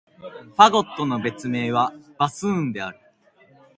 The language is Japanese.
ファゴットの別名は、バスーンである。